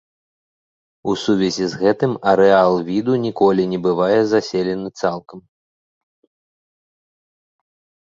У сувязі з гэтым арэал віду ніколі не бывае заселены цалкам.